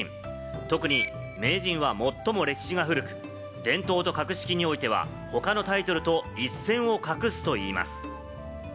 特に名人は最も歴史が古く、伝統と格式においては他のタイトルと一線を画すといいます。